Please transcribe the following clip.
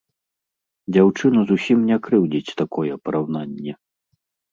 Дзяўчыну зусім не крыўдзіць такое параўнанне.